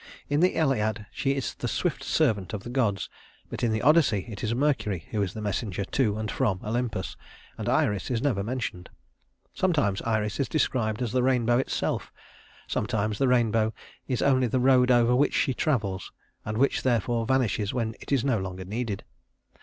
In the Iliad she is the swift servant of the gods; but in the Odyssey it is Mercury who is the messenger to and from Olympus, and Iris is never mentioned. Sometimes Iris is described as the rainbow itself; sometimes the rainbow is only the road over which she travels, and which therefore vanishes when it is no longer needed.